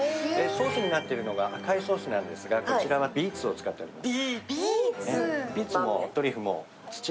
層になっているのが赤いソースなんですが、こちらはビーツを使っています。